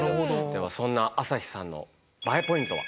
ではそんな朝日さんのＢＡＥポイントは？